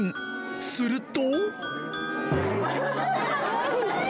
すると。